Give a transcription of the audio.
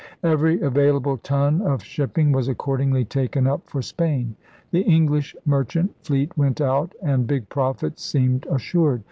Every avail able ton of shipping was accordingly taken up for Spain. The English merchant fleet went out, and big profits seemed assured.